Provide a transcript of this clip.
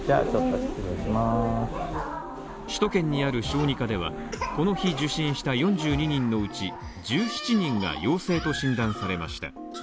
首都圏にある小児科では、この日受診した４２人のうち、１７人が陽性と診断されました。